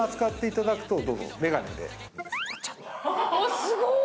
すごい！